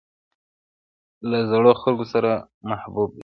پنېر له زړو خلکو سره محبوب دی.